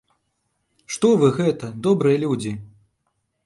Што вы гэта, добрыя людзі?